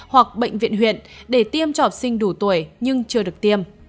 hoặc bệnh viện huyện để tiêm cho học sinh đủ tuổi nhưng chưa được tiêm